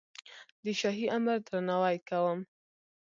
د شاهي امر درناوی کوم.